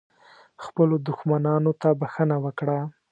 خپلو دښمنانو ته بښنه وکړه .